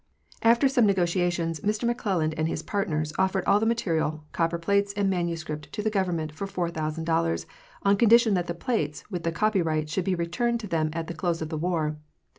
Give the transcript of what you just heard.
After some negotiations, Mr McClelland and his part ners offered all the material, copper plates and manuscript, to the Government for $4,000, on condition that the plates, with the copyright, should be returned to them at the close of the war.